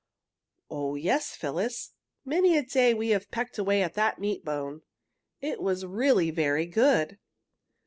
"Oh, yes, Phyllis, many a day have we pecked away at that meat bone. It was really very good."